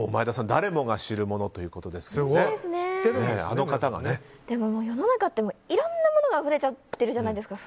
誰もが知るものということででも世の中っていろんなものがあふれちゃってるじゃないですか。